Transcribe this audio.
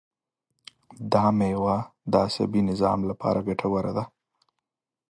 دا مېوه د عصبي نظام لپاره ګټوره ده.